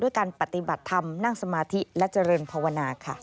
การปฏิบัติธรรมนั่งสมาธิและเจริญภาวนาค่ะ